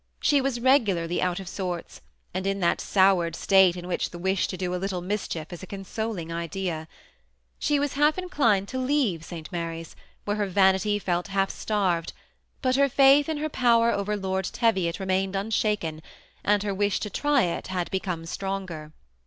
She was regularly out of sorts, and in that soured state in which the wish to do a little mischief is a consoling idea. She was half inclined to leave St Mary's, where her vanity felt half starved; hut her faith in her power over Lord Teviot remained unshaken, aad her wish to try it had become stronger.